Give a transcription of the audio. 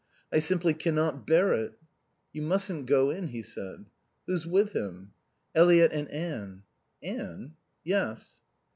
I simply can not bear it." "You mustn't go in," he said. "Who's with him?" "Eliot and Anne." "Anne?" "Yes."